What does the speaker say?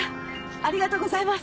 ありがとうございます。